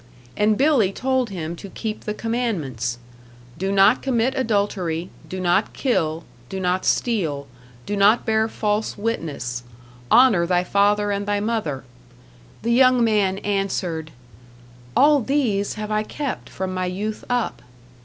And Billy told him to keep the commandments "Do not commit adultery, Do not kill, Do not steal, Do not bear false witness, Honor thy father and thy mother." The young man answered; "All these have I kept from my youth up."